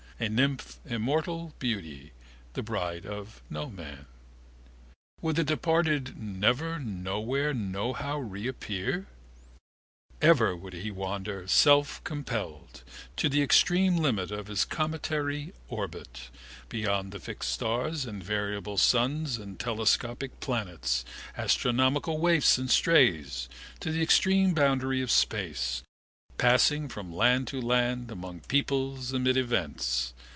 A nymph immortal, beauty, the bride of Noman. Would the departed never nowhere nohow reappear? Ever he would wander, selfcompelled, to the extreme limit of his cometary orbit, beyond the fixed stars and variable suns and telescopic planets, astronomical waifs and strays, to the extreme boundary of space, passing from land to land, among peoples, amid events.